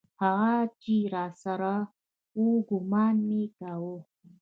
هغه چې راسره و ګومان مې کاوه.